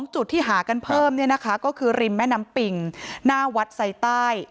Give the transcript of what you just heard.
๒จุดที่หากันเพิ่มก็คือริมแม่น้ำปิงหน้าวัดใส่ใต้